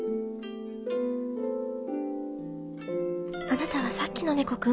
あなたはさっきのネコ君？